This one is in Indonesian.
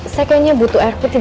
saya kayaknya butuh air putih